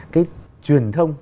cái truyền thông